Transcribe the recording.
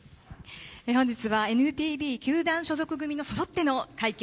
本日はＮＰＢ球団所属組そろっての会見。